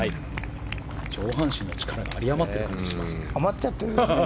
上半身の力が有り余ってる感じがしますね。